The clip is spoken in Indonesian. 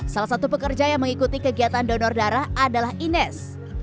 salah satu pekerja yang mengikuti kegiatan donor darah adalah ines